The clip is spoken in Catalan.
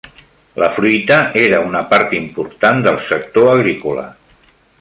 La fruita era una part important del sector agrícola.